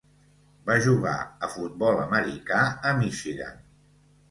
Va jugar a futbol americà a Michigan.